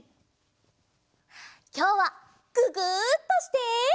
きょうはググッとして。